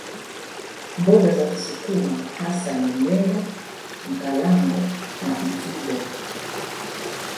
Mboga za kisukuma hasa ni mlenda Mkalango na mzubo